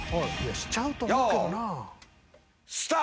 しちゃうと思うけどな。